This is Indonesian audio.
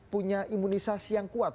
punya imunisasi yang kuat